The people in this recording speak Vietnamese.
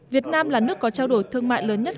việt nam là nước có trao đổi thương mại lớn nhất